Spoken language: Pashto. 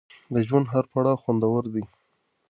د ژوند هر پړاو خوندور دی.